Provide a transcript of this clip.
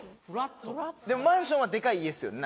でも「マンション」はデカい家ですよね？